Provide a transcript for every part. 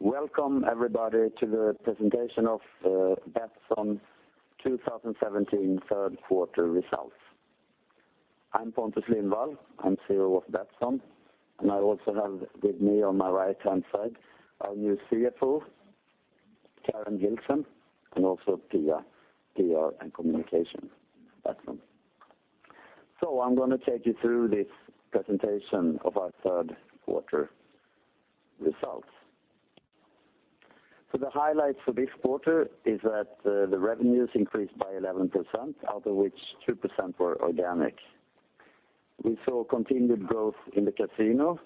Welcome everybody to the presentation of Betsson 2017 third quarter results. I'm Pontus Lindwall, I'm CEO of Betsson, and I also have with me on my right-hand side, our new CFO, Kaaren Hilsen, and also Pia, PR and communication, Betsson. I'm going to take you through this presentation of our third quarter results. The highlights for this quarter is that the revenues increased by 11%, out of which 2% were organic. We saw continued growth in the casino,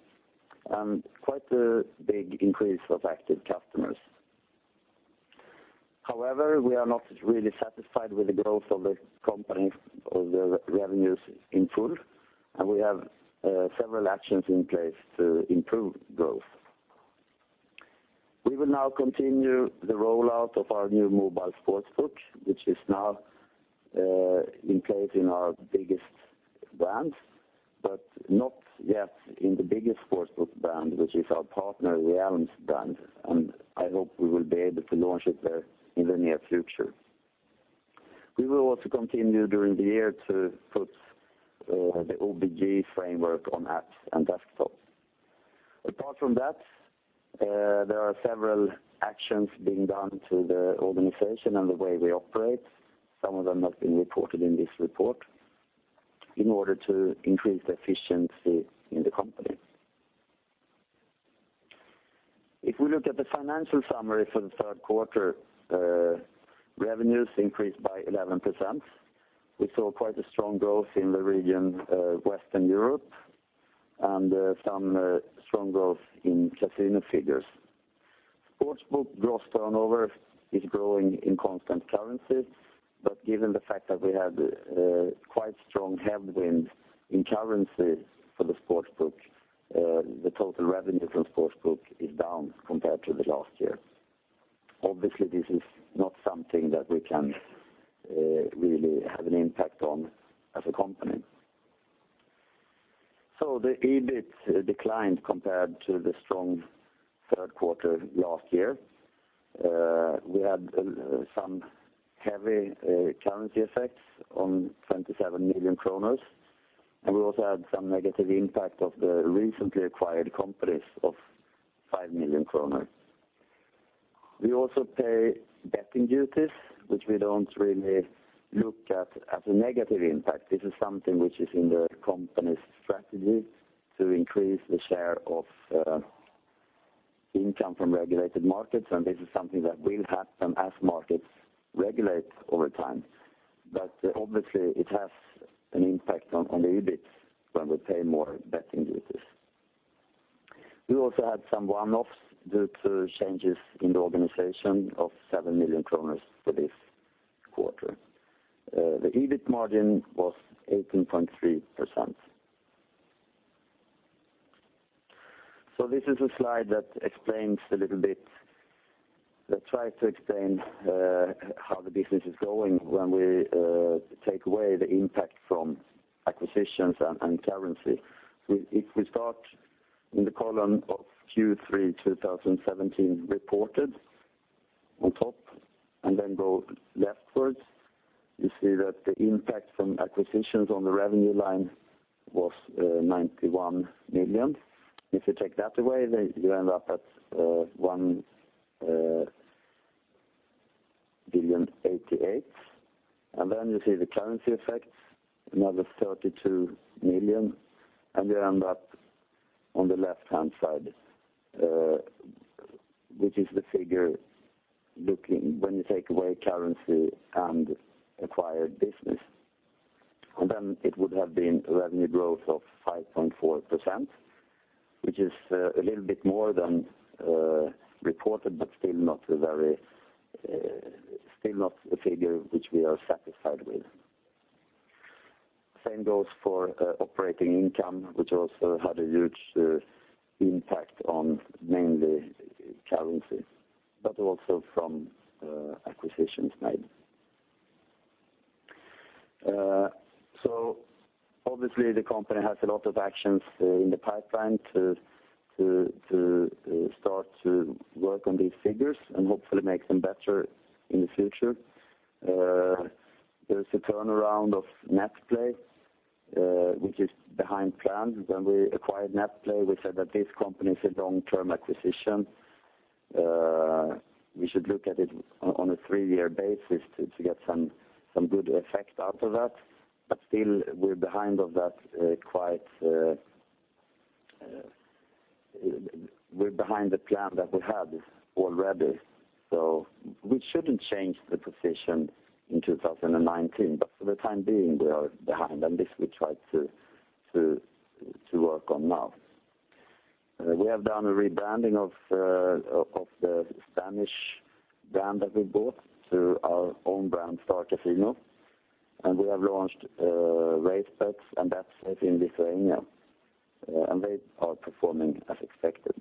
and quite a big increase of active customers. However, we are not really satisfied with the growth of the company or the revenues in full, and we have several actions in place to improve growth. We will now continue the rollout of our new mobile Sportsbook, which is now in place in our biggest brands, but not yet in the biggest Sportsbook brand, which is our partner, the 888 brand, and I hope we will be able to launch it there in the near future. We will also continue during the year to put the OBG framework on apps and desktop. Apart from that, there are several actions being done to the organization and the way we operate, some of them have been reported in this report, in order to increase the efficiency in the company. If we look at the financial summary for the third quarter, revenues increased by 11%. We saw quite a strong growth in the region, Western Europe, and some strong growth in casino figures. Sportsbook gross turnover is growing in constant currencies, but given the fact that we had quite strong headwinds in currency for the Sportsbook, the total revenue from Sportsbook is down compared to the last year. Obviously, this is not something that we can really have an impact on as a company. The EBIT declined compared to the strong third quarter last year. We had some heavy currency effects on 27 million kronor, and we also had some negative impact of the recently acquired companies of 5 million kronor. We also pay betting duties, which we don't really look at as a negative impact. This is something which is in the company's strategy to increase the share of income from regulated markets, and this is something that will happen as markets regulate over time. Obviously it has an impact on the EBIT when we pay more betting duties. We also had some one-offs due to changes in the organization of 7 million kronor for this quarter. The EBIT margin was 18.3%. This is a slide that tries to explain how the business is going when we take away the impact from acquisitions and currency. If we start in the column of Q3 2017 reported on top and then go leftwards, you see that the impact from acquisitions on the revenue line was 91 million. If you take that away, then you end up at 1,088,000,000. You see the currency effects, another 32 million, and you end up on the left-hand side, which is the figure when you take away currency and acquired business. It would have been revenue growth of 5.4%, which is a little bit more than reported, but still not a figure which we are satisfied with. Same goes for operating income, which also had a huge impact on mainly currency, but also from acquisitions made. Obviously the company has a lot of actions in the pipeline to start to work on these figures and hopefully make them better in the future. There is a turnaround of Netplay, which is behind plans. When we acquired Netplay, we said that this company is a long-term acquisition. We should look at it on a three-year basis to get some good effect out of that. Still, we are behind the plan that we had already. We shouldn't change the position in 2019, but for the time being, we are behind, and this we try to work on now. We have done a rebranding of the Spanish brand that we bought to our own brand, StarCasino. We have launched RaceBets and Betsafe in Lithuania, and they are performing as expected.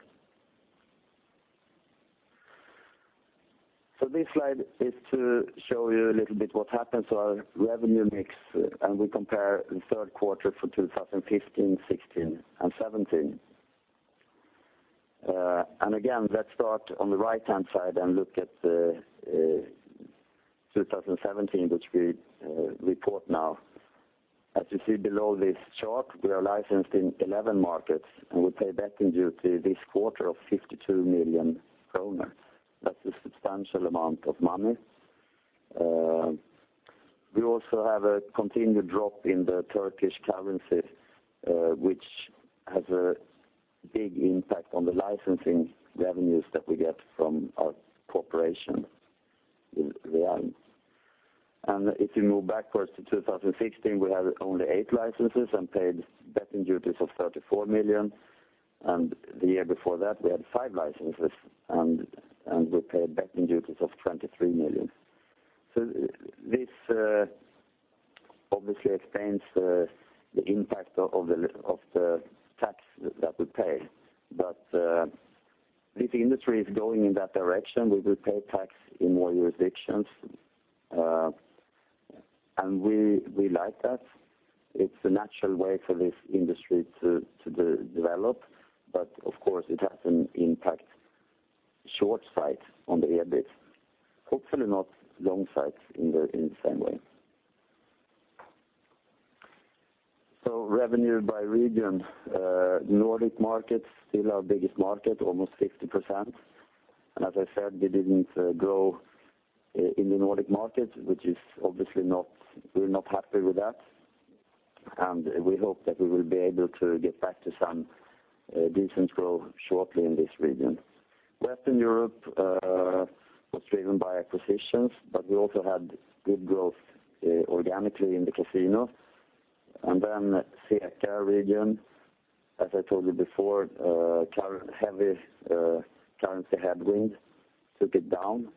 This slide is to show you a little bit what happens to our revenue mix. We compare the third quarter for 2015, 2016, and 2017. Again, let's start on the right-hand side and look at 2017, which we report now. As you see below this chart, we are licensed in 11 markets, and we paid betting duty this quarter of 52 million kronor. That is a substantial amount of money. We also have a continued drop in the Turkish currency, which has a big impact on the licensing revenues that we get from our corporation with Realm Entertainment. If you move backwards to 2016, we had only eight licenses and paid betting duties of 34 million. The year before that, we had five licenses, and we paid betting duties of 23 million. This obviously explains the impact of the tax that we pay. This industry is going in that direction. We will pay tax in more jurisdictions, and we like that. It is the natural way for this industry to develop. Of course, it has an impact short sight on the EBIT. Hopefully not long sight in the same way. Revenue by region. Nordic markets, still our biggest market, almost 50%. As I said, we didn't grow in the Nordic market, which obviously we are not happy with that, and we hope that we will be able to get back to some decent growth shortly in this region. Western Europe was driven by acquisitions. We also had good growth organically in the casino. CEE/CA region, as I told you before, heavy currency headwinds took it down.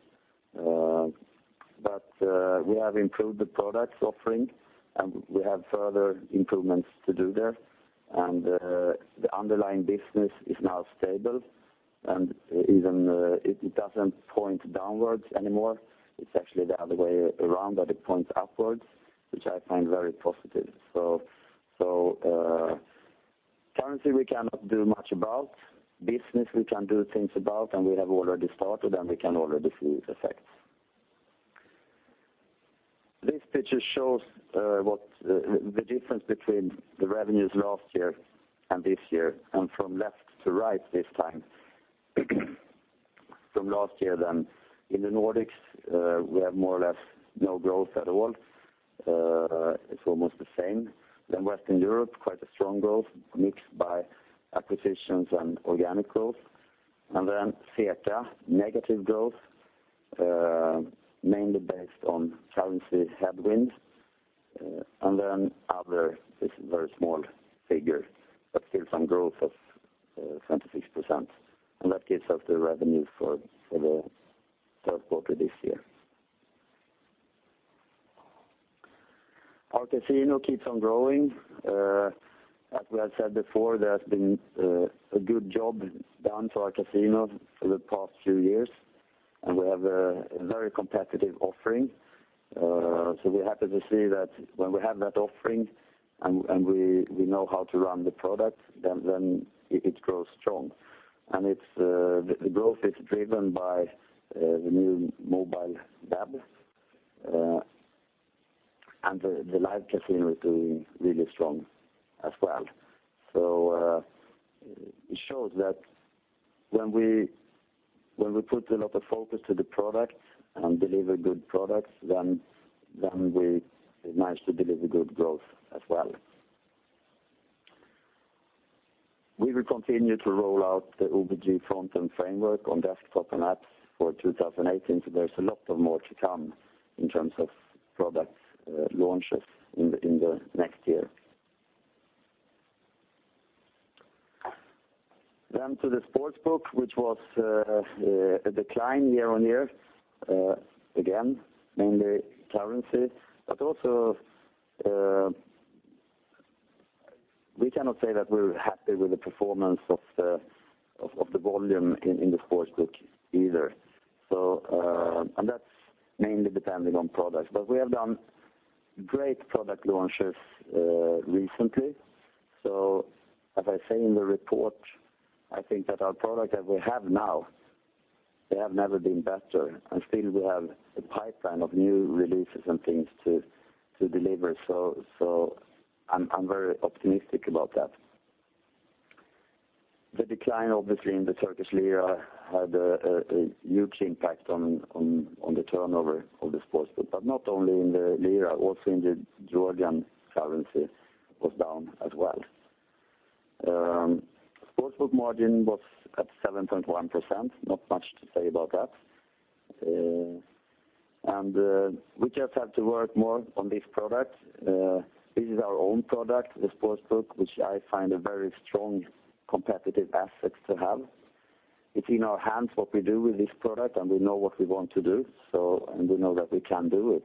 We have improved the product offering. We have further improvements to do there. The underlying business is now stable, and it does not point downwards anymore. It is actually the other way around, that it points upwards, which I find very positive. Currency we cannot do much about. Business we can do things about, and we have already started. We can already see its effects. This picture shows the difference between the revenues last year and this year, from left to right this time from last year then. In the Nordics, we have more or less no growth at all. It is almost the same. Western Europe, quite a strong growth mixed by acquisitions and organic growth. CEE/CA, negative growth, mainly based on currency headwinds. Other is a very small figure, but still some growth of 26%. That gives us the revenue for the third quarter this year. Our casino keeps on growing. As we have said before, there has been a good job done for our casino for the past few years, and we have a very competitive offering. We're happy to see that when we have that offering and we know how to run the product, it grows strong. The growth is driven by the new mobile app, and the live casino is doing really strong as well. It shows that when we put a lot of focus to the product and deliver good products, we manage to deliver good growth as well. We will continue to roll out the OBG front-end framework on desktop and apps for 2018. There's a lot more to come in terms of product launches in the next year. To the Sportsbook, which was a decline year-over-year. Again, mainly currency, but also we cannot say that we're happy with the performance of the volume in the Sportsbook either. That's mainly depending on products. We have done great product launches recently. As I say in the report, I think that our product that we have now, they have never been better, and still we have a pipeline of new releases and things to deliver. I'm very optimistic about that. The decline, obviously, in the Turkish lira had a huge impact on the turnover of the Sportsbook, but not only in the lira, also in the Georgian currency was down as well. Sportsbook margin was at 7.1%, not much to say about that. We just have to work more on this product. This is our own product, the Sportsbook, which I find a very strong competitive asset to have. It's in our hands what we do with this product, and we know what we want to do, and we know that we can do it.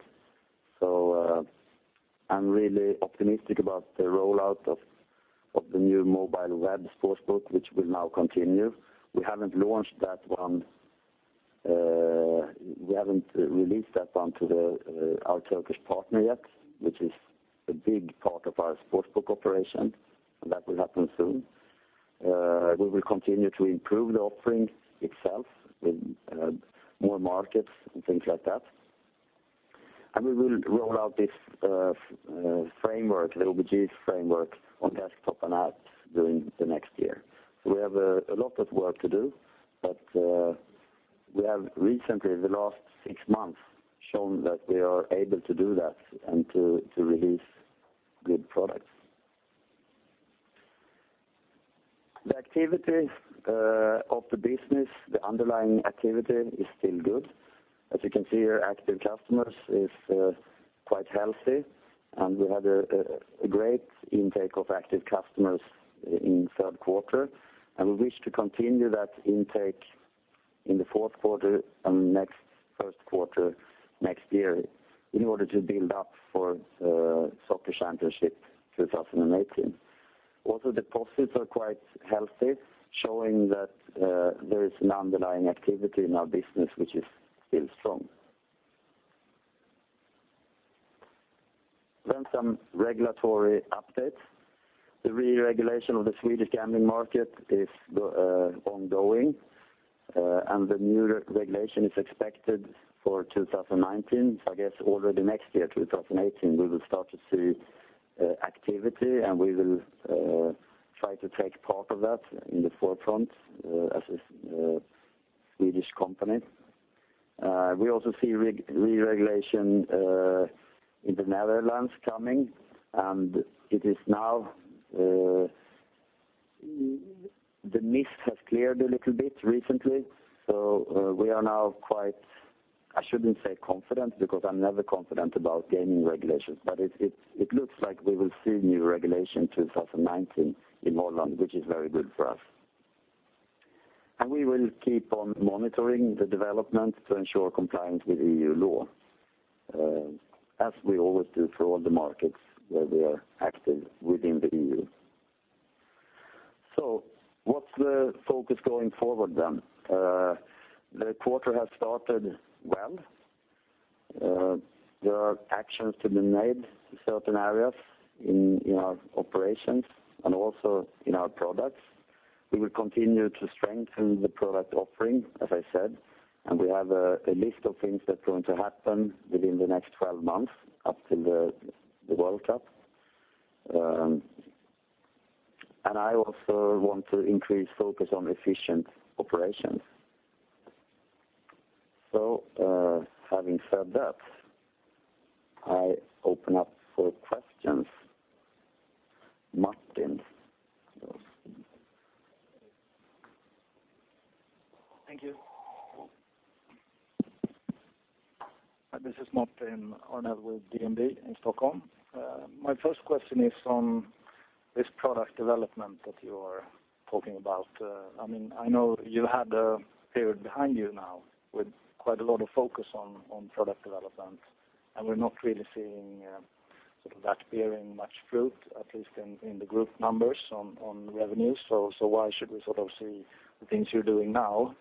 I'm really optimistic about the rollout of the new mobile web Sportsbook, which will now continue. We haven't released that one to our Turkish partner yet, which is a big part of our Sportsbook operation, and that will happen soon. We will continue to improve the offering itself with more markets and things like that. We will roll out this framework, the OBG framework, on desktop and apps during the next year. We have a lot of work to do, but we have recently, in the last six months, shown that we are able to do that and to release good products. The activity of the business, the underlying activity, is still good. As you can see here, active customers is quite healthy, and we had a great intake of active customers in third quarter, and we wish to continue that intake in the fourth quarter and next first quarter next year in order to build up for FIFA World Cup 2018. Deposits are quite healthy, showing that there is an underlying activity in our business, which is still strong. Some regulatory updates. The re-regulation of the Swedish gambling market is ongoing, and the new regulation is expected for 2019. I guess already next year, 2018, we will start to see activity, and we will try to take part of that in the forefront as a Swedish company. We also see re-regulation in the Netherlands coming, and the mist has cleared a little bit recently. We are now quite, I shouldn't say confident, because I'm never confident about gaming regulations. It looks like we will see new regulation 2019 in Holland, which is very good for us. We will keep on monitoring the development to ensure compliance with EU law, as we always do for all the markets where we are active within the EU. What's the focus going forward then? The quarter has started well. There are actions to be made in certain areas in our operations and also in our products. We will continue to strengthen the product offering, as I said, and we have a list of things that are going to happen within the next 12 months up till the World Cup. I also want to increase focus on efficient operations. Having said that, I open up for questions. Martin? Thank you. This is Martin Arnell with DNB in Stockholm. My first question is on this product development that you are talking about. I know you had a period behind you now with quite a lot of focus on product development, and we're not really seeing that bearing much fruit, at least in the group numbers on revenues. Why should we see the things you're doing now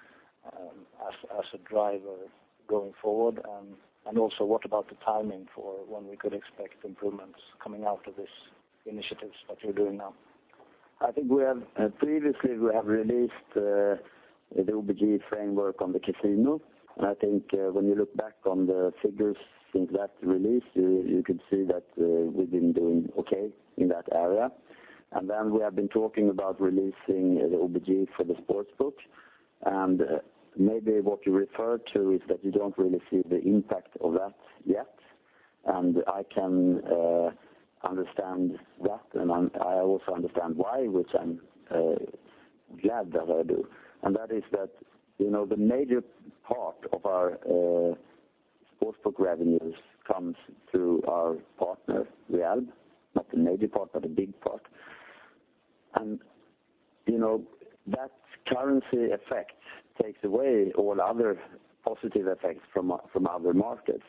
as a driver going forward? Also, what about the timing for when we could expect improvements coming out of these initiatives that you're doing now? I think previously we have released the OBG framework on the casino. I think when you look back on the figures since that release, you could see that we've been doing okay in that area. Then we have been talking about releasing the OBG for the Sportsbook, and maybe what you refer to is that you don't really see the impact of that yet. I can understand that, and I also understand why, which I'm glad that I do. That is that the major part of our Sportsbook revenues comes through our partner, [RealBet], not the major part, but a big part. That currency effect takes away all other positive effects from other markets.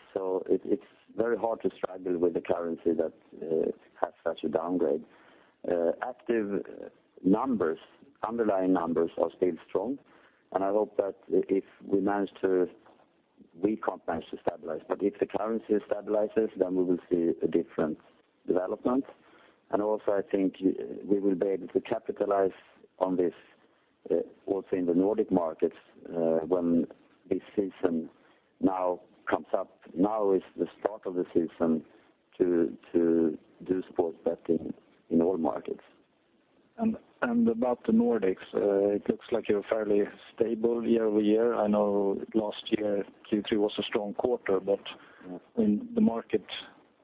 It's very hard to struggle with a currency that has such a downgrade. Active underlying numbers are still strong. I hope that We can't manage to stabilize, but if the currency stabilizes, we will see a different development. Also, I think we will be able to capitalize on this also in the Nordic markets when this season now comes up. Now is the start of the season to do sports betting in all markets. About the Nordics, it looks like you're fairly stable year-over-year. I know last year, Q3 was a strong quarter. In the market,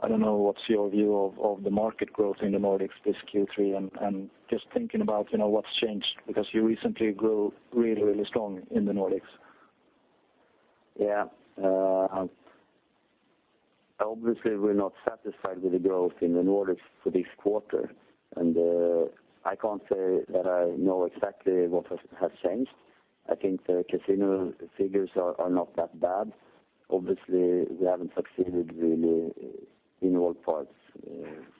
I don't know what's your view of the market growth in the Nordics this Q3, just thinking about what's changed because you recently grew really strong in the Nordics. Yeah. Obviously, we're not satisfied with the growth in the Nordics for this quarter. I can't say that I know exactly what has changed. I think the casino figures are not that bad. Obviously, we haven't succeeded really in all parts,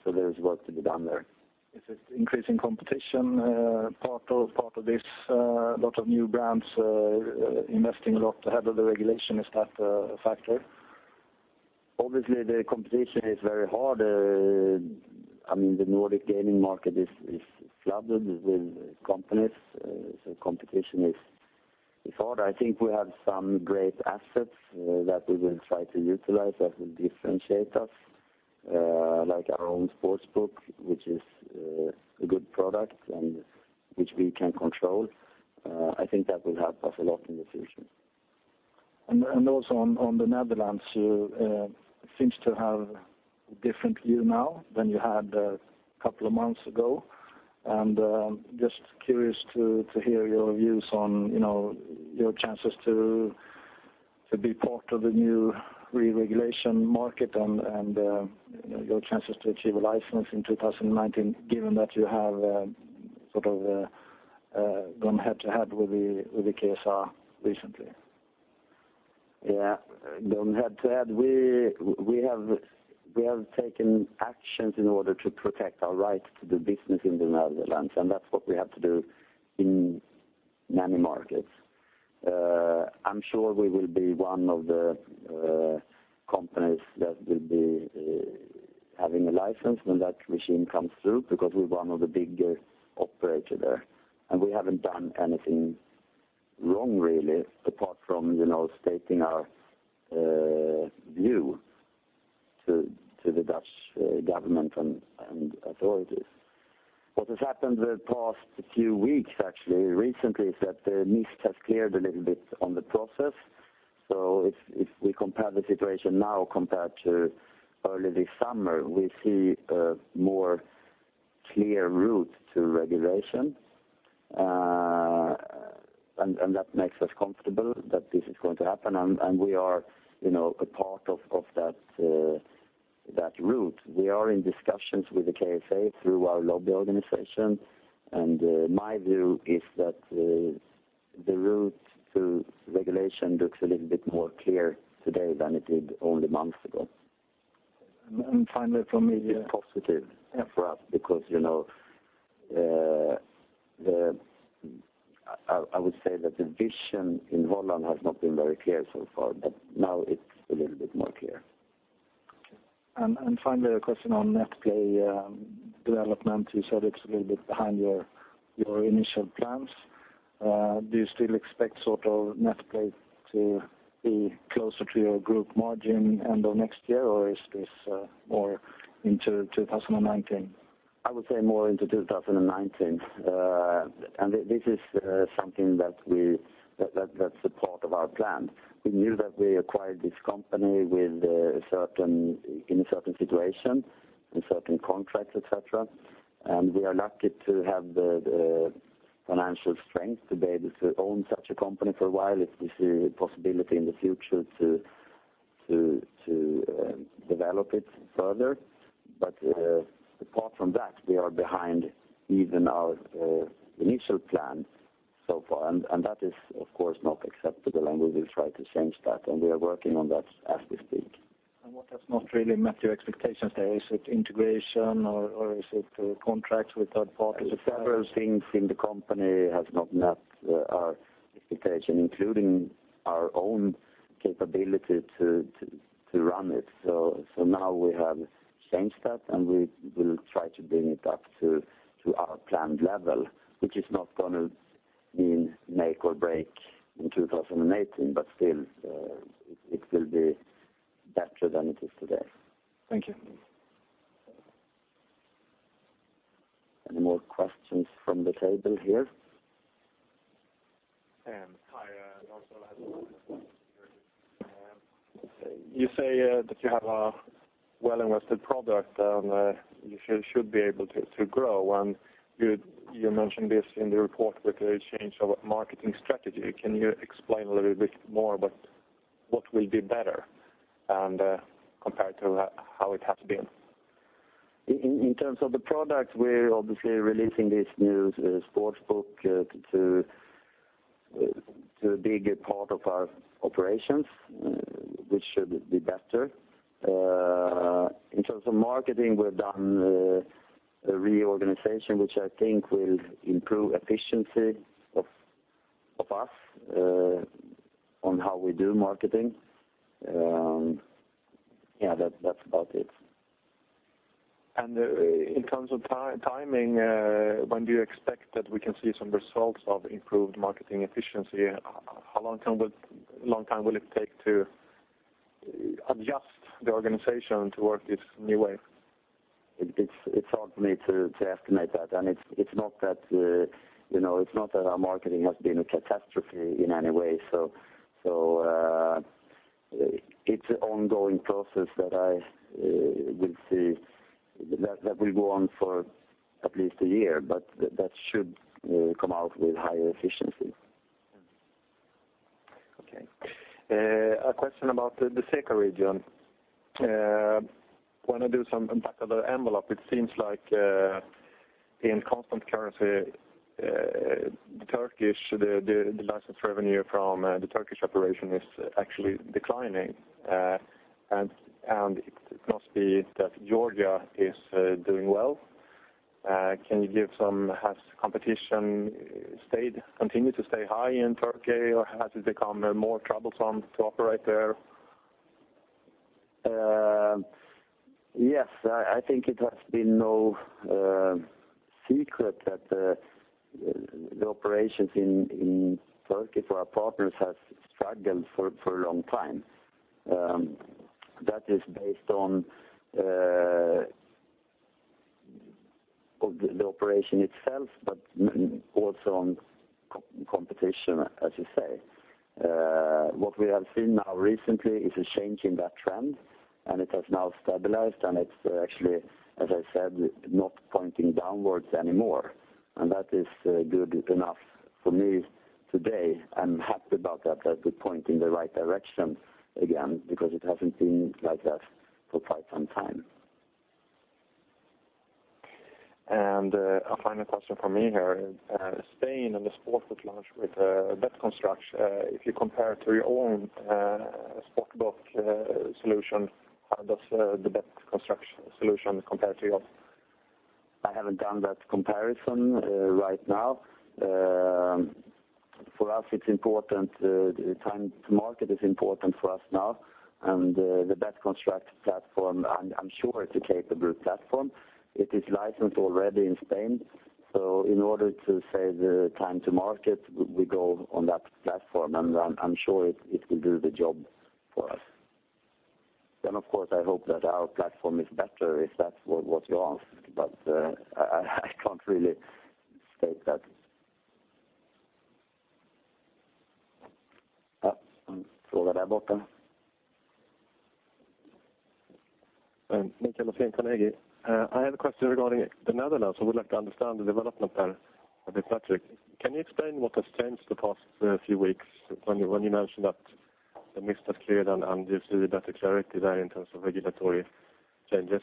there is work to be done there. Is it increasing competition part of this? A lot of new brands are investing a lot ahead of the regulation. Is that a factor? Obviously, the competition is very hard. The Nordic gaming market is flooded with companies, so competition is hard. I think we have some great assets that we will try to utilize that will differentiate us, like our own Sportsbook, which is a good product and which we can control. I think that will help us a lot in the future. On the Netherlands, you seem to have a different view now than you had a couple of months ago. I'm just curious to hear your views on your chances to be part of the new re-regulation market and your chances to achieve a license in 2019, given that you have gone head-to-head with the Kansspelautoriteit recently. Gone head-to-head. We have taken actions in order to protect our right to do business in the Netherlands, and that's what we have to do in many markets. I'm sure we will be one of the companies that will be having a license when that regime comes through because we're one of the bigger operators there, and we haven't done anything wrong really, apart from stating our view to the Dutch government and authorities. What has happened the past few weeks, actually, recently, is that the mist has cleared a little bit on the process. If we compare the situation now compared to early this summer, we see a more clear route to regulation, and that makes us comfortable that this is going to happen, and we are a part of that route. We are in discussions with the Kansspelautoriteit through our lobby organization, and my view is that the route to regulation looks a little bit more clear today than it did only months ago. Finally from me. Positive for us because I would say that the vision in Holland has not been very clear so far, but now it's a little bit more clear. Finally, a question on Netplay development. You said it's a little bit behind your initial plans. Do you still expect Netplay to be closer to your group margin end of next year, or is this more into 2019? I would say more into 2019. This is something that's a part of our plan. We knew that we acquired this company in a certain situation with certain contracts, et cetera, and we are lucky to have the financial strength to be able to own such a company for a while if we see a possibility in the future to develop it further. Apart from that, we are behind even our initial plan so far, and that is, of course, not acceptable, and we will try to change that, and we are working on that as we speak. What has not really met your expectations there? Is it integration, or is it contracts with third parties? Several things in the company have not met our expectation, including our own capability to run it. Now we have changed that, and we will try to bring it up to our planned level, which is not going to mean make or break in 2018, but still, it will be better than it is today. Thank you. Any more questions from the table here? Hi. [inaudible] You say that you have a well-invested product, you should be able to grow. You mentioned this in the report with the change of marketing strategy. Can you explain a little bit more about what will be better compared to how it has been? In terms of the product, we're obviously releasing this new Sportsbook to be a part of our operations, which should be better. In terms of marketing, we've done a reorganization, which I think will improve efficiency of us on how we do marketing. Yeah, that's about it. In terms of timing, when do you expect that we can see some results of improved marketing efficiency? How long time will it take to adjust the organization to work this new way? It's hard for me to estimate that. It's not that our marketing has been a catastrophe in any way. It's an ongoing process that will go on for at least a year, but that should come out with higher efficiency. Okay. A question about the CEE/CA region. When I do some back of the envelope, it seems like in constant currency, the license revenue from the Turkish operation is actually declining, and it must be that Georgia is doing well. Has competition continued to stay high in Turkey, or has it become more troublesome to operate there? Yes, I think it has been no secret that the operations in Turkey for our partners have struggled for a long time. That is based on the operation itself, but also on competition, as you say. What we have seen now recently is a change in that trend, and it has now stabilized, and it's actually, as I said, not pointing downwards anymore, and that is good enough for me today. I'm happy about that we're pointing in the right direction again, because it hasn't been like that for quite some time. A final question from me here. Spain and the Sportsbook launch with BetConstruct. If you compare to your own Sportsbook solution, how does the BetConstruct solution compare to yours? I haven't done that comparison right now. Time to market is important for us now. The BetConstruct platform, I'm sure it's a capable platform. It is licensed already in Spain. In order to save the time to market, we go on that platform. I'm sure it will do the job for us. Of course, I hope that our platform is better, if that's what you asked. I can't really state that. Mikael Mathlin, Carnegie. I have a question regarding the Netherlands. I would like to understand the development there a bit, Pontus. Can you explain what has changed the past few weeks when you mentioned that the mist has cleared and gives you the better clarity there in terms of regulatory changes?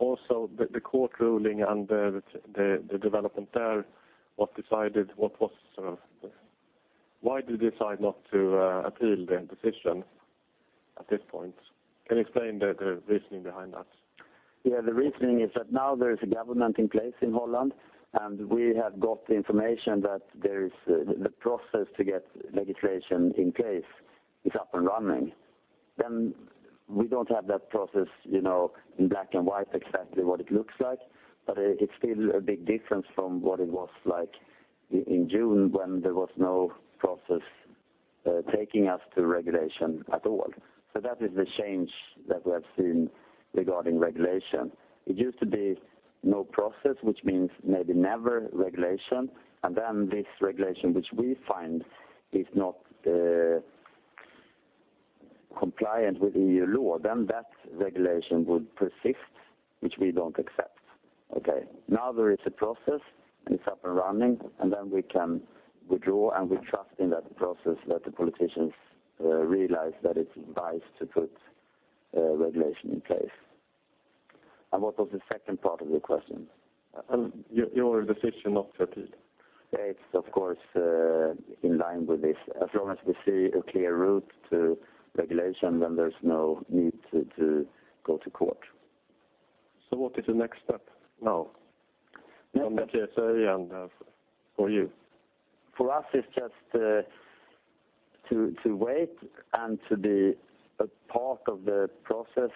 Also the court ruling and the development there, why did you decide not to appeal the decision at this point? Can you explain the reasoning behind that? The reasoning is that now there is a government in place in Holland, and we have got the information that the process to get legislation in place is up and running. We don't have that process in black and white exactly what it looks like, but it's still a big difference from what it was like in June when there was no process taking us to regulation at all. That is the change that we have seen regarding regulation. It used to be no process, which means maybe never regulation, and then this regulation, which we find is not compliant with EU law, then that regulation would persist, which we don't accept. Okay. Now there is a process, and it's up and running, and then we can withdraw, and we trust in that process that the politicians realize that it's wise to put regulation in place. What was the second part of your question? Your decision not to appeal. It's of course in line with this. As long as we see a clear route to regulation, there's no need to go to court. What is the next step now from Kansspelautoriteit and for you? For us, it's just to wait and to be a part of the process,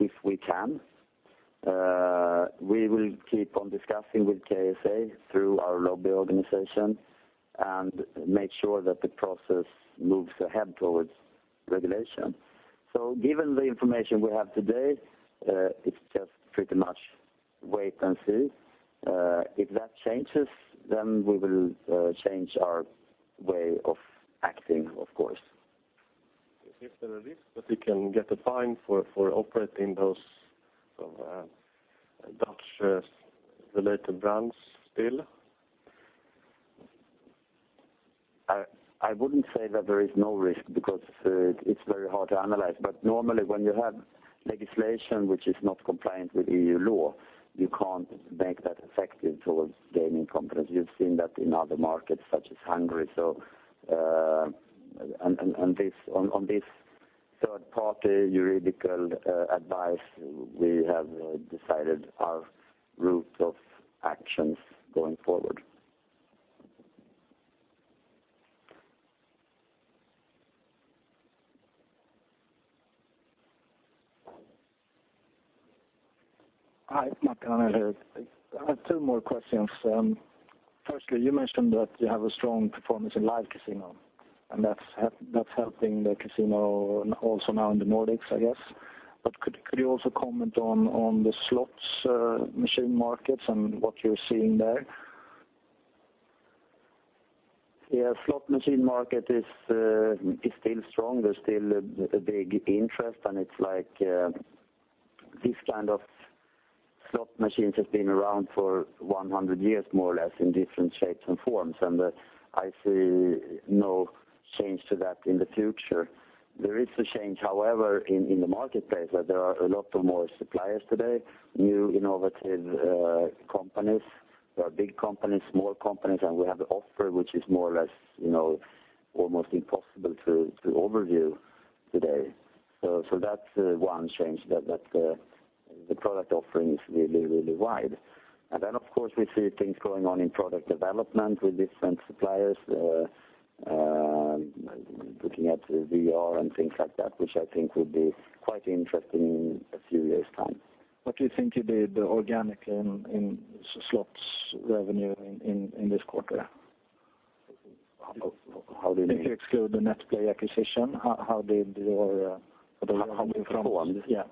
if we can. We will keep on discussing with Kansspelautoriteit through our lobby organization and make sure that the process moves ahead towards regulation. Given the information we have today, it's just pretty much wait and see. If that changes, we will change our way of acting, of course. Is there a risk that you can get a fine for operating those Dutch-related brands still? I wouldn't say that there is no risk because it's very hard to analyze. Normally, when you have legislation which is not compliant with EU law, you can't make that effective towards gaming companies. You've seen that in other markets, such as Hungary. On this third-party juridical advice, we have decided our route of actions going forward. Hi, Martin Arnell here. I have two more questions. Firstly, you mentioned that you have a strong performance in live casino, and that's helping the casino also now in the Nordics, I guess. Could you also comment on the slots machine markets and what you're seeing there? Slot machine market is still strong. There's still a big interest, and it's like this kind of slot machines have been around for 100 years, more or less, in different shapes and forms, and I see no change to that in the future. There is a change, however, in the marketplace, where there are a lot of more suppliers today, new innovative companies. There are big companies, small companies, and we have the offer, which is more or less almost impossible to overview today. That's one change, that the product offering is really wide. Of course, we see things going on in product development with different suppliers, looking at VR and things like that, which I think will be quite interesting in a few years' time. What do you think you did organically in slots revenue in this quarter? How did we- If you exclude the Netplay acquisition, How we performed? Yeah.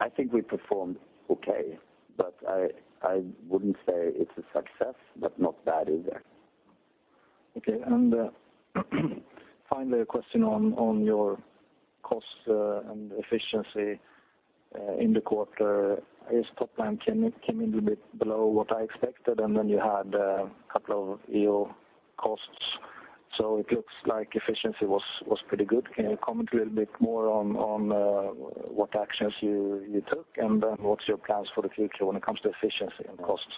I think we performed okay, but I wouldn't say it's a success, but not bad either. finally, a question on your costs and efficiency in the quarter. Its top line came in a bit below what I expected, then you had a couple of EO costs, it looks like efficiency was pretty good. Can you comment a little bit more on what actions you took? What's your plans for the future when it comes to efficiency and costs?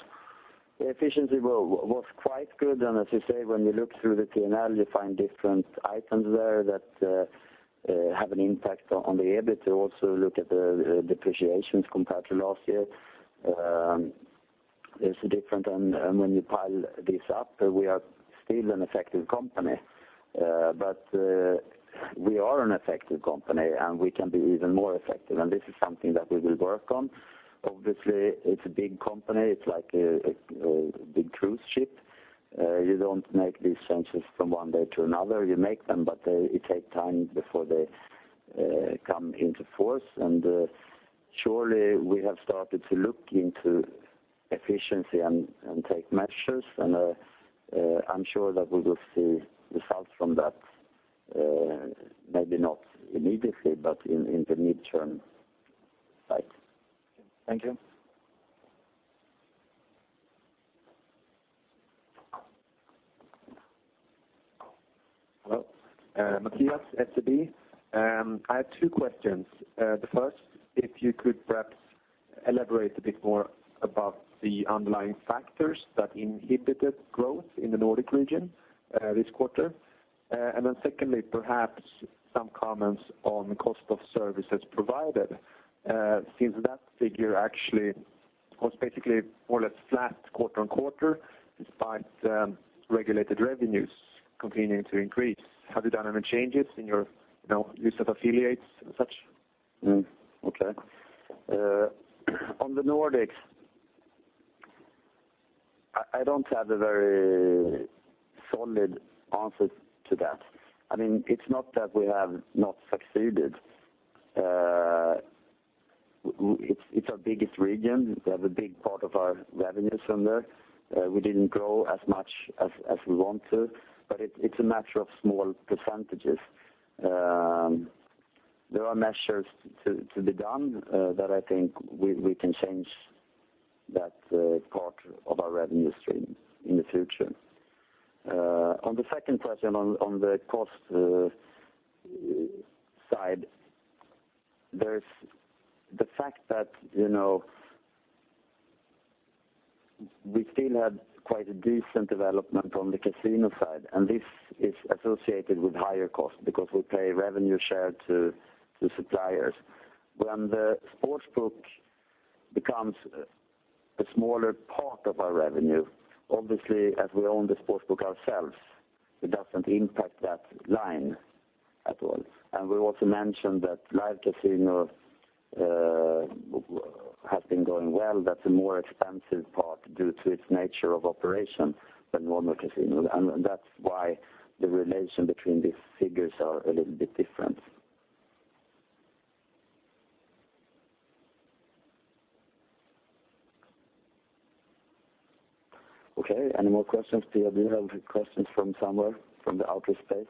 The efficiency was quite good, as you say, when you look through the P&L, you find different items there that have an impact on the EBIT. Also, look at the depreciations compared to last year. It's different, when you pile this up, we are still an effective company. We are an effective company, we can be even more effective, this is something that we will work on. Obviously, it's a big company. It's like a big cruise ship. You don't make these changes from one day to another. You make them, it takes time before they come into force, surely we have started to look into efficiency and take measures, I'm sure that we will see results from that, maybe not immediately, but in the midterm cycle. Thank you. Hello. Matthias, SEB. I have two questions. The first, if you could perhaps elaborate a bit more about the underlying factors that inhibited growth in the Nordic region this quarter. Secondly, perhaps some comments on cost of services provided, since that figure actually was basically more or less flat quarter-on-quarter, despite regulated revenues continuing to increase. Have you done any changes in your use of affiliates and such? Okay. On the Nordics, I don't have a very solid answer to that. It's not that we have not succeeded. It's our biggest region. We have a big part of our revenues from there. We didn't grow as much as we want to, but it's a matter of small %. There are measures to be done that I think we can change that part of our revenue stream in the future. On the second question on the cost side, there's the fact that we still had quite a decent development on the casino side, and this is associated with higher costs because we pay revenue share to suppliers. When the Sportsbook becomes a smaller part of our revenue, obviously, as we own the Sportsbook ourselves, it doesn't impact that line at all. We also mentioned that live casino has been going well. That's a more expensive part due to its nature of operation than normal casinos, that's why the relation between these figures are a little bit different. Okay, any more questions? Pia, do you have questions from somewhere, from the outer space?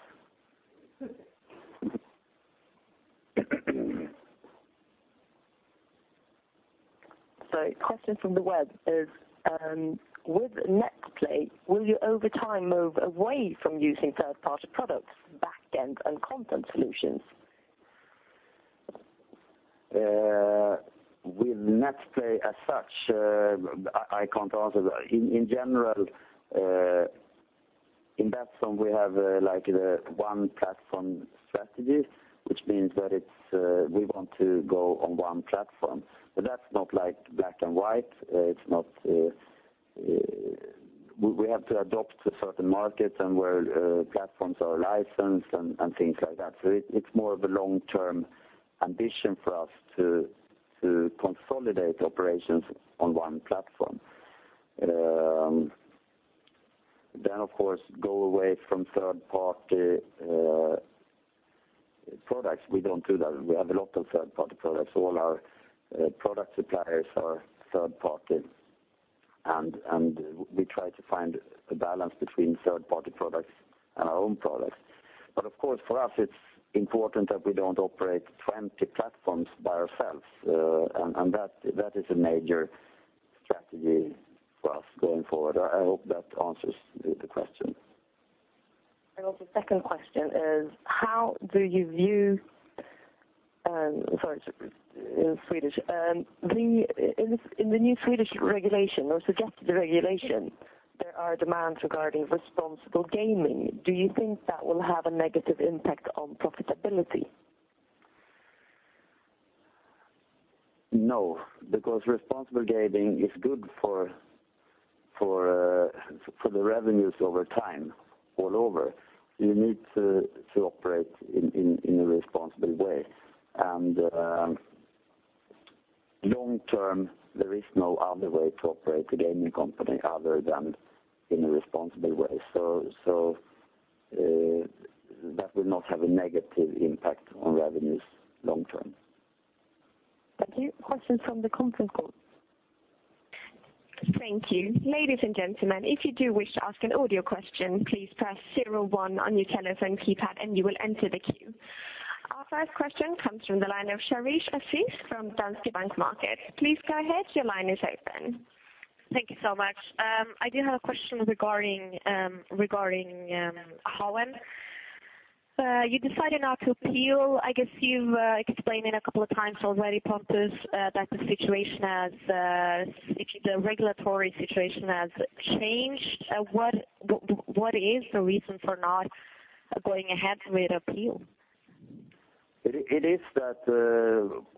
A question from the web is, with Netplay, will you, over time, move away from using third-party products, back-end, and content solutions? With Netplay as such, I can't answer that. In general, in Betsson, we have one platform strategy, which means that we want to go on one platform. That's not black and white. We have to adopt to certain markets and where platforms are licensed and things like that. It's more of a long-term ambition for us to consolidate operations on one platform. Of course, go away from third-party products. We don't do that. We have a lot of third-party products. All our product suppliers are third-party. We try to find a balance between third-party products and our own products. Of course, for us, it's important that we don't operate 20 platforms by ourselves. That is a major strategy for us going forward. I hope that answers the question. Also, second question is: Sorry, it's Swedish. In the new Swedish regulation or suggested regulation, there are demands regarding responsible gaming. Do you think that will have a negative impact on profitability? No, because responsible gaming is good for the revenues over time, all over. You need to operate in a responsible way. Long-term, there is no other way to operate a gaming company other than in a responsible way. That will not have a negative impact on revenues long term. Thank you. Questions from the conference call. Thank you. Ladies and gentlemen, if you do wish to ask an audio question, please press 01 on your telephone keypad and you will enter the queue. Our first question comes from the line of Sharif Zaki from DNB Markets. Please go ahead. Your line is open. Thank you so much. I did have a question regarding Holland. You decided not to appeal. I guess you've explained it a couple of times already, Pontus, that the regulatory situation has changed. What is the reason for not going ahead with appeal? It is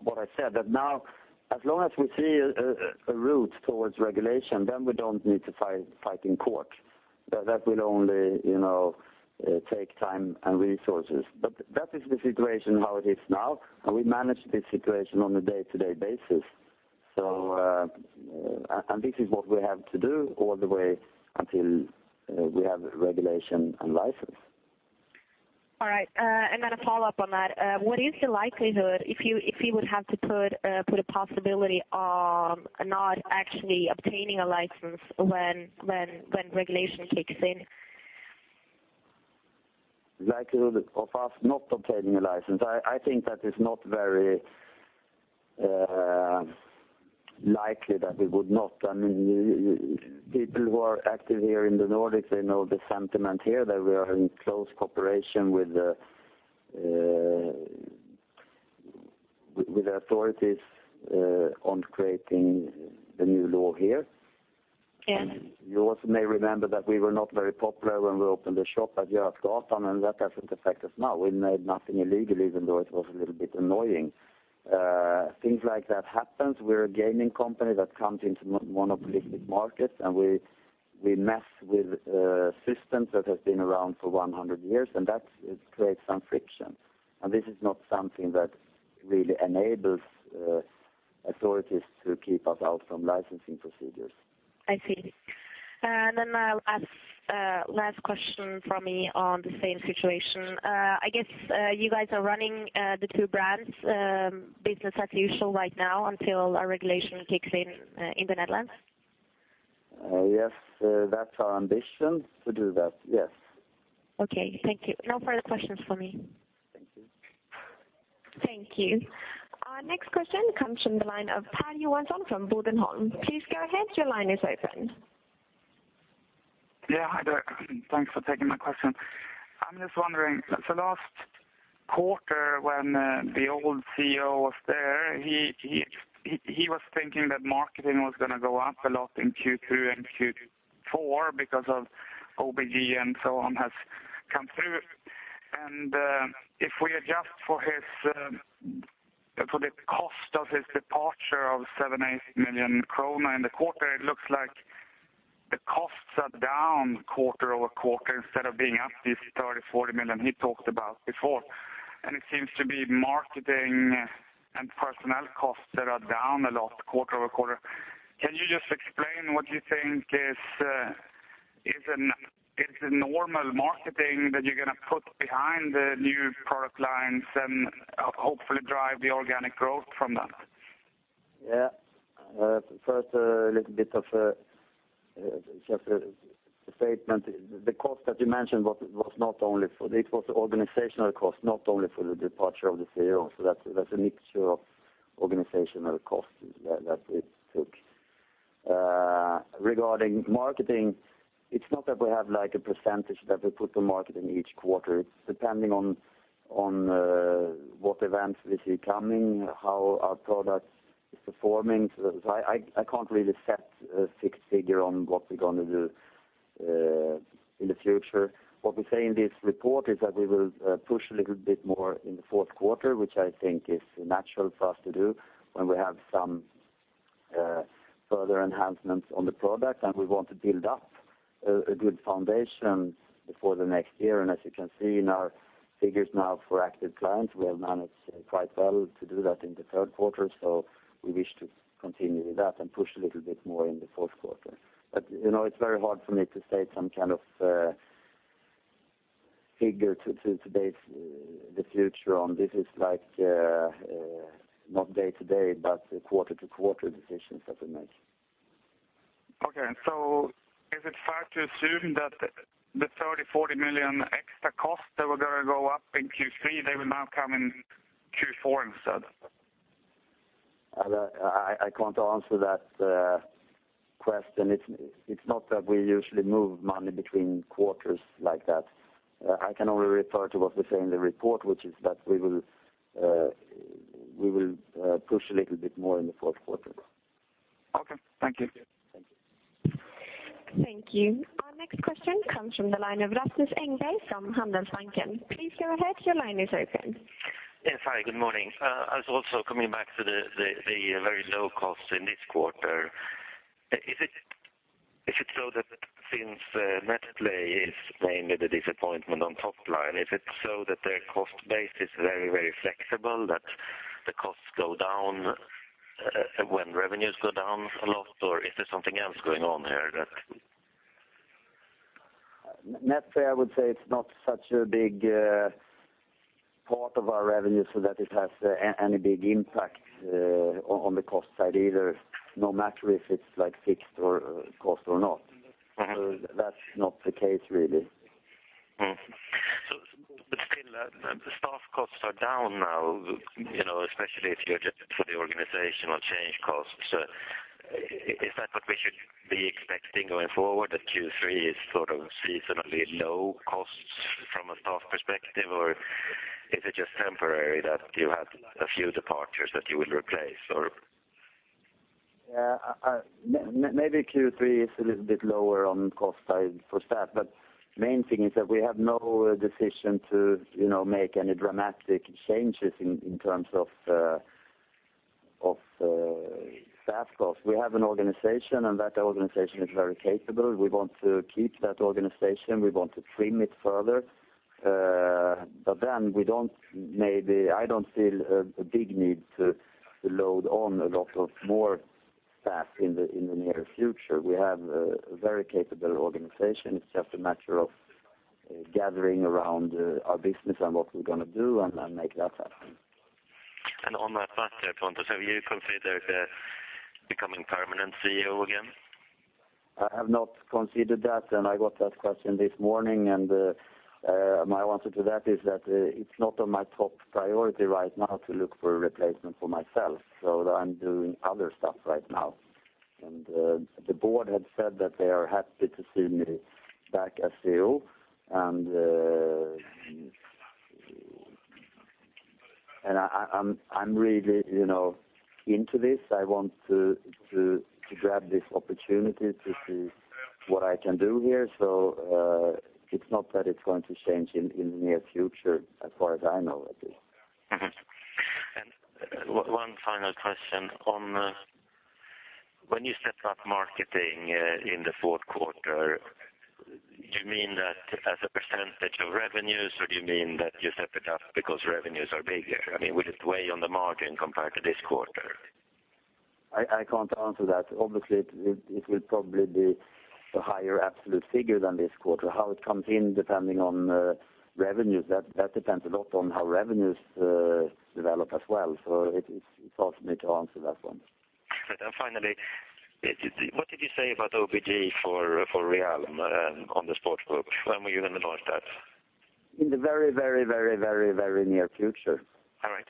what I said, that now, as long as we see a route towards regulation, then we don't need to fight in court. That will only take time and resources. That is the situation how it is now, and we manage this situation on a day-to-day basis. This is what we have to do all the way until we have regulation and license. All right. Then a follow-up on that. What is the likelihood, if you would have to put a possibility on not actually obtaining a license when regulation kicks in? Likelihood of us not obtaining a license, I think that is not very likely that we would not. People who are active here in the Nordics, they know the sentiment here, that we are in close cooperation with authorities on creating the new law here. Yes. You also may remember that we were not very popular when we opened the shop at Götgatan, and that doesn't affect us now. We made nothing illegal, even though it was a little bit annoying. Things like that happens. We're a gaming company that comes into monopolistic markets, and we mess with systems that have been around for 100 years, and that creates some friction. This is not something that really enables authorities to keep us out from licensing procedures. I see. Last question from me on the same situation. I guess you guys are running the two brands, business as usual right now until a regulation kicks in the Netherlands? Yes. That's our ambition to do that. Yes. Okay. Thank you. No further questions from me. Thank you. Thank you. Our next question comes from the line of Per Johansson from Bodenholm Capital. Go ahead. Your line is open. Yeah. Hi there. Thanks for taking my question. I'm just wondering, so last quarter when the old CEO was there, he was thinking that marketing was going to go up a lot in Q2 and Q4 because of OBG and so on has come through. If we adjust for the cost of his departure of 7 million-8 million krona in the quarter, it looks like the costs are down quarter-over-quarter instead of being up these 30 million-40 million he talked about before. It seems to be marketing and personnel costs that are down a lot quarter-over-quarter. Can you just explain what you think is the normal marketing that you're going to put behind the new product lines and hopefully drive the organic growth from that? Yeah. First, a little bit of just a statement. The cost that you mentioned, it was organizational cost, not only for the departure of the CEO. That's a mixture of organizational costs that it took. Regarding marketing, it's not that we have a percentage that we put to market in each quarter. It's depending on what events we see coming, how our product is performing. I can't really set a fixed figure on what we're going to do in the future. What we say in this report is that we will push a little bit more in the fourth quarter, which I think is natural for us to do when we have some further enhancements on the product, and we want to build up a good foundation before the next year. As you can see in our figures now for active clients, we have managed quite well to do that in the third quarter. We wish to continue with that and push a little bit more in the fourth quarter. It's very hard for me to say Figure to base the future on. This is not day-to-day, but quarter-to-quarter decisions that we make. Okay. Is it fair to assume that the 30 million-40 million extra costs that were going to go up in Q3, they will now come in Q4 instead? I can't answer that question. It's not that we usually move money between quarters like that. I can only refer to what we say in the report, which is that we will push a little bit more in the fourth quarter. Okay. Thank you. Thank you. Thank you. Our next question comes from the line of Rasmus Engberg from Handelsbanken. Please go ahead. Your line is open. Yes. Hi, good morning. I was also coming back to the very low cost in this quarter. If it shows that since Netplay is mainly the disappointment on top line, is it so that their cost base is very flexible, that the costs go down when revenues go down a lot? Or is there something else going on here? Netplay I would say it's not such a big part of our revenue so that it has any big impact on the cost side either, no matter if it's fixed cost or not. That's not the case really. Still, the staff costs are down now, especially if you adjust for the organizational change costs. Is that what we should be expecting going forward, that Q3 is sort of seasonally low costs from a staff perspective? Is it just temporary that you had a few departures that you will replace or? Maybe Q3 is a little bit lower on cost side for staff, main thing is that we have no decision to make any dramatic changes in terms of staff costs. We have an organization and that organization is very capable. We want to keep that organization, we want to trim it further. I don't feel a big need to load on a lot of more staff in the near future. We have a very capable organization. It's just a matter of gathering around our business and what we're going to do and make that happen. On that matter, Pontus, have you considered becoming permanent CEO again? I have not considered that. I got that question this morning, and my answer to that is that it's not on my top priority right now to look for a replacement for myself. I'm doing other stuff right now. The board had said that they are happy to see me back as CEO, and I'm really into this. I want to grab this opportunity to see what I can do here. It's not that it's going to change in the near future as far as I know at least. Mm-hmm. One final question. When you step up marketing in the fourth quarter, do you mean that as a percentage of revenues or do you mean that you set it up because revenues are bigger? I mean, will it weigh on the margin compared to this quarter? I can't answer that. Obviously, it will probably be a higher absolute figure than this quarter. How it comes in depending on revenues, that depends a lot on how revenues develop as well. It's hard for me to answer that one. Finally, what did you say about OBG for Real on the Sportsbook? When were you going to launch that? In the very near future. All right.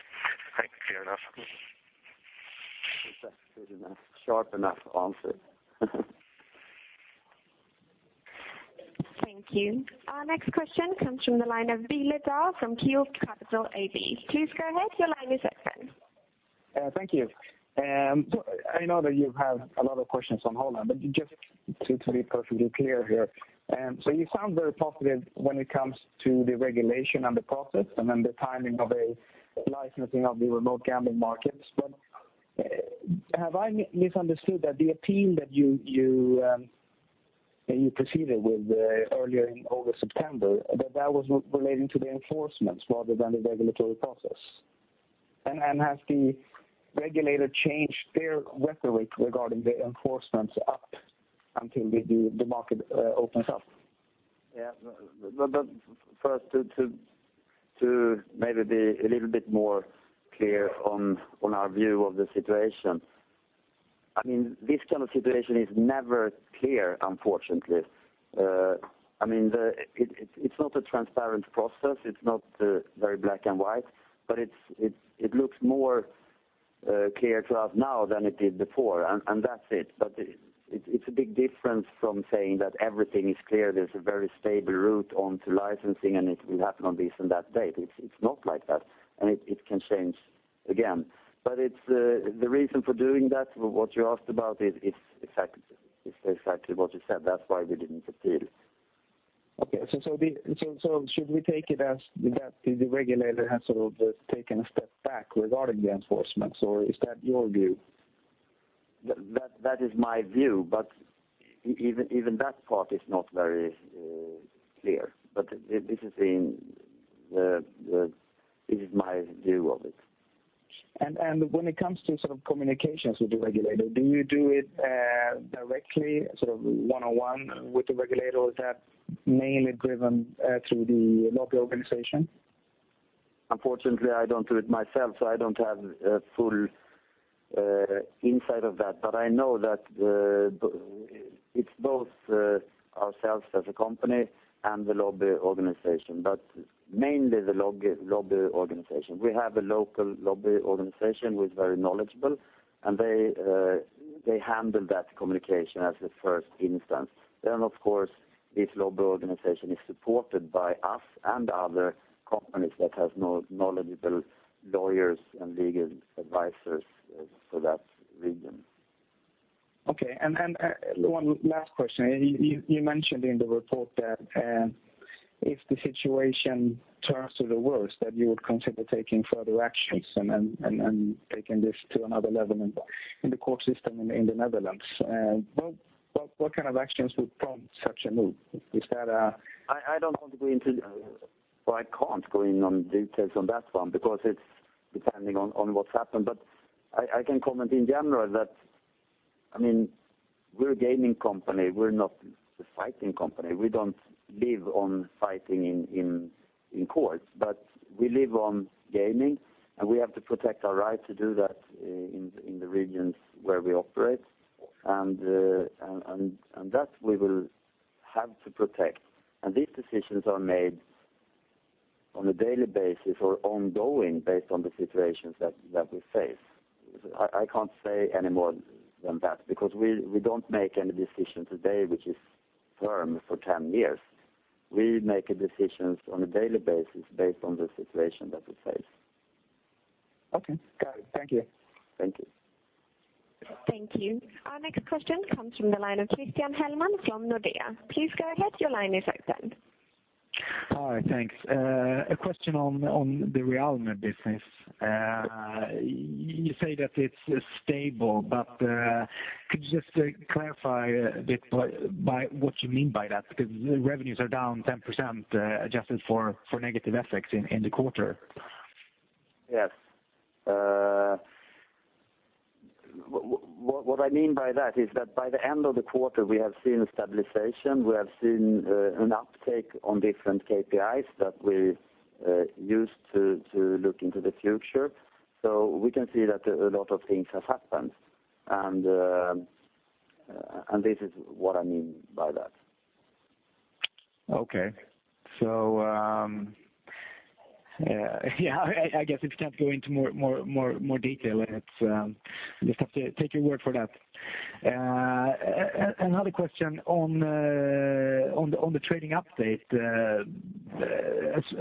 Thanks. Clear enough. That's a good enough, short enough answer. Thank you. Our next question comes from the line of Laitinen from Carnegie. Please go ahead. Your line is open. Thank you. I know that you have a lot of questions on Holland, just to be perfectly clear here. You sound very positive when it comes to the regulation and the process, the timing of a licensing of the remote gambling markets. Have I misunderstood that the appeal that you proceeded with earlier in over September, that was relating to the enforcements rather than the regulatory process? Has the regulator changed their rhetoric regarding the enforcements up until the market opens up? Yeah. First, to maybe be a little bit more clear on our view of the situation. This kind of situation is never clear, unfortunately. It's not a transparent process. It's not very black and white, it looks more clear to us now than it did before, and that's it. It's a big difference from saying that everything is clear, there's a very stable route onto licensing, it will happen on this and that date. It's not like that, it can change again. The reason for doing that, what you asked about is exactly what you said. That's why we didn't appeal. Okay. Should we take it as that the regulator has sort of taken a step back regarding the enforcements, or is that your view? That is my view, even that part is not very clear. This is my view of it. When it comes to communications with the regulator, do you do it directly, one-on-one with the regulator, or is that mainly driven through the lobby organization? Unfortunately, I don't do it myself, I don't have a full insight of that, I know that it's both ourselves as a company and the lobby organization, mainly the lobby organization. We have a local lobby organization who is very knowledgeable, and they handle that communication as a first instance. Of course, this lobby organization is supported by us and other companies that have knowledgeable lawyers and legal advisors for that region. Okay. One last question. You mentioned in the report that if the situation turns to the worse, that you would consider taking further actions and taking this to another level in the court system in the Netherlands. What kind of actions would prompt such a move? Is that? I can't go into details on that one, because it's depending on what's happened. I can comment in general that we're a gaming company, we're not a fighting company. We don't live on fighting in court, but we live on gaming, and we have to protect our right to do that in the regions where we operate. That we will have to protect, and these decisions are made on a daily basis or ongoing based on the situations that we face. I can't say any more than that, because we don't make any decision today which is firm for 10 years. We make decisions on a daily basis based on the situation that we face. Okay, got it. Thank you. Thank you. Thank you. Our next question comes from the line of Christian Hellman from Nordea. Please go ahead. Your line is open. Hi, thanks. A question on the Real Money business. You say that it's stable, could you just clarify a bit by what you mean by that? Because the revenues are down 10% adjusted for negative effects in the quarter. Yes. What I mean by that is that by the end of the quarter, we have seen stabilization. We have seen an uptake on different KPIs that we use to look into the future. We can see that a lot of things have happened, and this is what I mean by that. Okay. Yeah, I guess if you can't go into more detail, I just have to take your word for that. Another question on the trading update.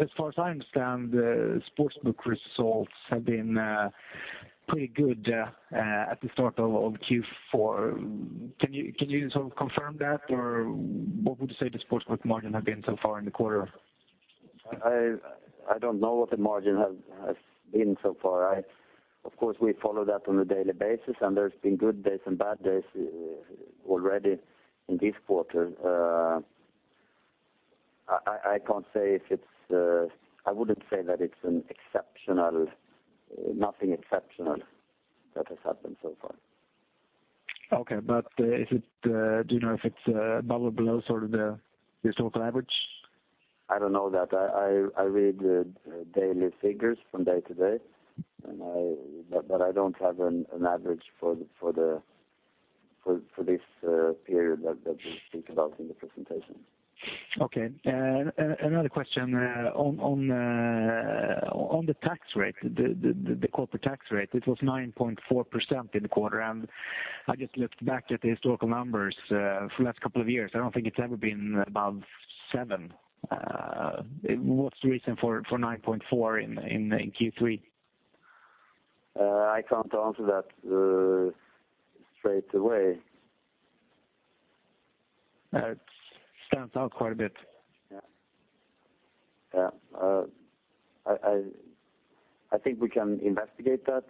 As far as I understand, the Sportsbook results have been pretty good at the start of Q4. Can you sort of confirm that, or what would you say the Sportsbook margin have been so far in the quarter? I don't know what the margin has been so far. Of course, we follow that on a daily basis, and there's been good days and bad days already in this quarter. I wouldn't say that it's nothing exceptional that has happened so far. Okay. Do you know if it's above or below the historical average? I don't know that. I read daily figures from day to day, but I don't have an average for this period that we speak about in the presentation. Okay. Another question on the tax rate, the corporate tax rate, it was 9.4% in the quarter. I just looked back at the historical numbers for the last couple of years. I don't think it's ever been above seven. What's the reason for 9.4% in Q3? I can't answer that straight away. It stands out quite a bit. Yeah. I think we can investigate that.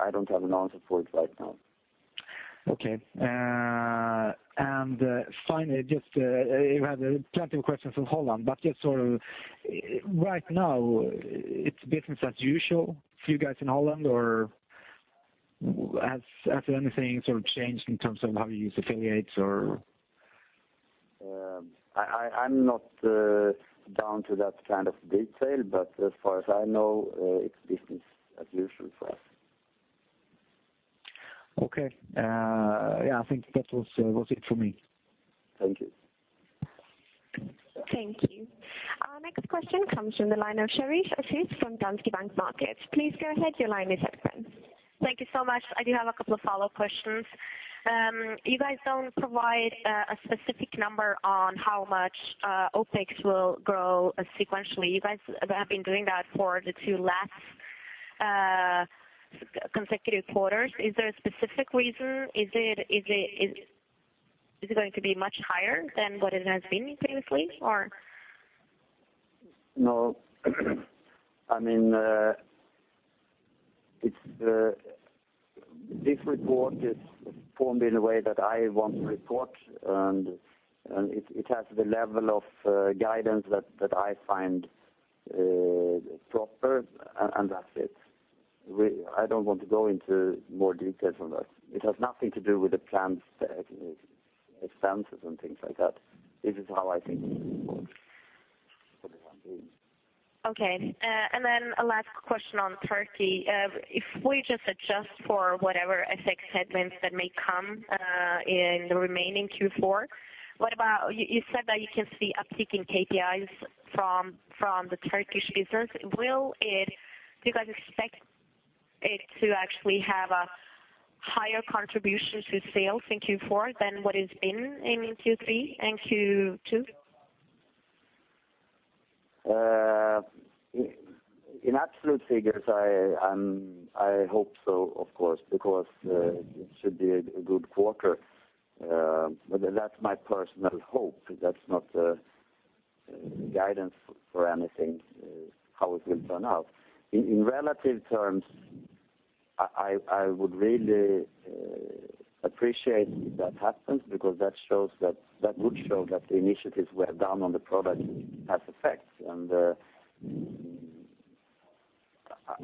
I don't have an answer for it right now. Okay. Finally, just, you had plenty of questions on Holland, just right now, it's business as usual for you guys in Holland, or has anything changed in terms of how you use affiliates or? I'm not down to that kind of detail, as far as I know, it's business as usual for us. Okay. Yeah, I think that was it for me. Thank you. Thank you. Our next question comes from the line of Sharif Zaki from DNB Markets. Please go ahead. Your line is open. Thank you so much. I do have a couple of follow-up questions. You guys don't provide a specific number on how much OpEx will grow sequentially. You guys have been doing that for the two last consecutive quarters. Is there a specific reason? Is it going to be much higher than what it has been previously or? No. I mean, This report is formed in a way that I want to report, and it has the level of guidance that I find proper, and that's it. I don't want to go into more detail from that. It has nothing to do with the planned expenses and things like that. This is how I think it should be reported. Okay. A last question on Turkey. If we just adjust for whatever FX headwinds that may come in the remaining Q4, you said that you can see uptick in KPIs from the Turkish business. Do you guys expect it to actually have a higher contribution to sales in Q4 than what it's been in Q3 and Q2? In absolute figures, I hope so, of course, because it should be a good quarter. That's my personal hope. That's not a guidance for anything, how it will turn out. In relative terms, I would really appreciate if that happens, because that would show that the initiatives we have done on the product have effects, and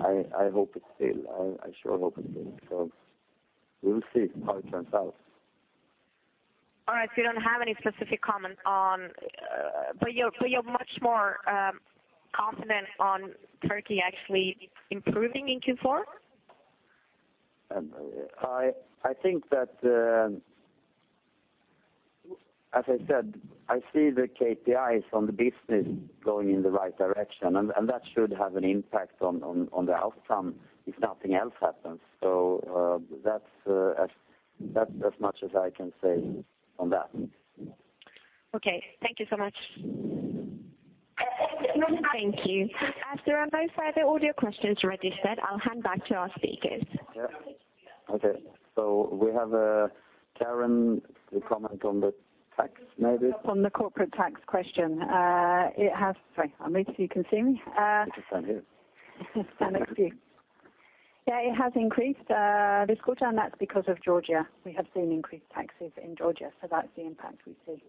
I sure hope it will. We will see how it turns out. All right. You don't have any specific comment. You're much more confident on Turkey actually improving in Q4? As I said, I see the KPIs on the business going in the right direction, and that should have an impact on the outcome if nothing else happens. That's as much as I can say on that. Okay. Thank you so much. Thank you. As there are no further audio questions registered, I'll hand back to our speakers. Yeah. Okay. We have Kaaren to comment on the tax, maybe. On the corporate tax question. Sorry, I'll make sure you can see me. I just done here. Stand next to you. Yeah, it has increased this quarter. That's because of Georgia. We have seen increased taxes in Georgia. That's the impact we see.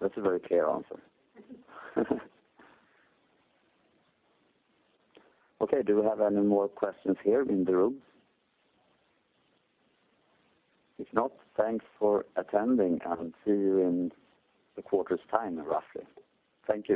That's a very clear answer. Okay, do we have any more questions here in the room? If not, thanks for attending, and see you in a quarter's time, roughly. Thank you.